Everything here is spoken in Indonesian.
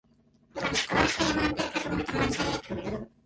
Pulang sekolah saya mampir ke rumah teman saya dulu.